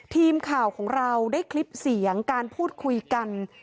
ทีมข่าวของเราได้คลิปเสียงการพูดคุยกัน